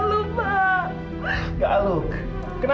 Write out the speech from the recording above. kutukanmu terjadi karena kesalahan mereka